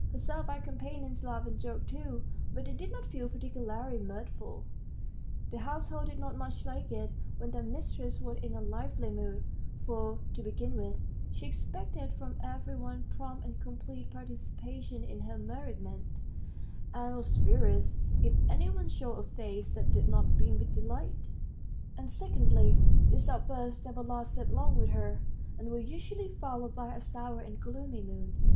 Her servile companions laughed and joked too, but they did not feel particularly mirthful; the household did not much like it, when their mistress was in a lively mood, for, to begin with, she expected from every one prompt and complete participation in her merriment, and was furious if any one showed a face that did not beam with delight; and secondly, these outbursts never lasted long with her, and were usually followed by a sour and gloomy mood.